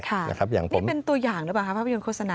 นี่เป็นตัวอย่างหรือเปล่าครับภาพยนตร์โฆษณา